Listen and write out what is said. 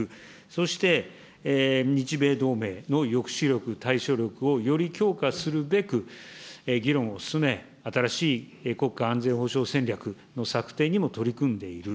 そして、日米同盟の抑止力、対処力を、より強化するべく、議論を進め、新しい国家安全保障戦略の策定にも取り組んでいる。